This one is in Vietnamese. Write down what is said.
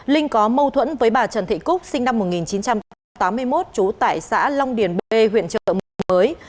linh có mâu thuẫn với bà trần thị cúc sinh năm một nghìn chín trăm tám mươi một trú tại xã long điền b huyện trợ mới